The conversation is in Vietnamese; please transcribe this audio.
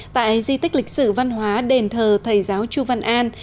tại di tích lịch sử văn hóa đền thờ thầy giáo chu văn an